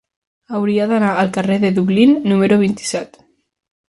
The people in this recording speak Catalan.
Hauria d'anar al carrer de Dublín número vint-i-set.